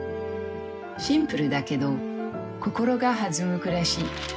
シンプルだけど心が弾む暮らし。